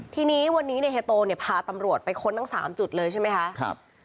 ทีนี้วันนี้เฮโต้พาตำรวจไปค้นทั้ง๓จุดเลยใช่ไหมคะ